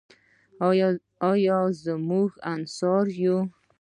آیا موږ انصار یو؟